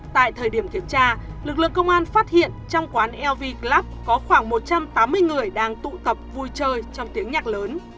tại thời điểm kiểm tra lực lượng công an phát hiện trong quán lv club có khoảng một trăm tám mươi người đang tụ tập vui chơi trong tiếng nhạc lớn